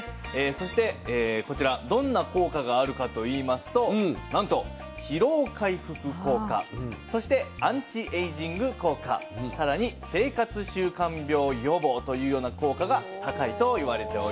そしてこちらどんな効果があるかといいますとなんと疲労回復効果そしてアンチエイジング効果さらに生活習慣病予防というような効果が高いと言われております。